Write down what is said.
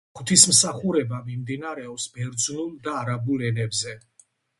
ღვთისმსახურება მიმდინარეობს ბერძნულ და არაბულ ენებზე.